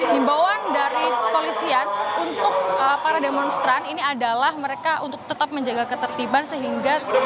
himbauan dari polisian untuk para demonstran ini adalah mereka untuk tetap menjaga ketertiban sehingga